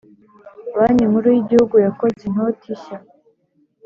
banki nkuru y’igihugu yakoze intoti shya